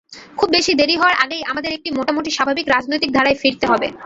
খুব বেশি দেরি হওয়ার আগেই আমাদের একটি মোটামুটি স্বাভাবিক রাজনৈতিক ধারায় ফিরতে হবে।